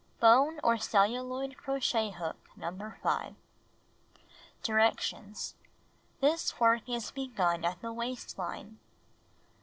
Bone or celluloid crochet hook No. 5. Directions : This work is begun at the waist line.